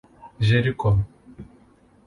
Jericó